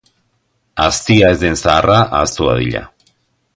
Aztia ez den zaharra ahaztu dadila.